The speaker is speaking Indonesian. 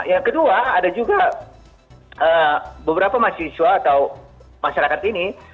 yang kedua ada juga beberapa mahasiswa atau masyarakat ini